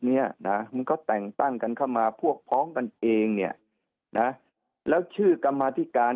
เนี้ยนะมันก็แต่งตั้งกันเข้ามาพวกพ้องกันเองเนี่ยนะแล้วชื่อกรรมาธิการ